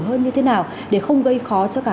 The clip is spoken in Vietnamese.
hơn như thế nào để không gây khó cho cả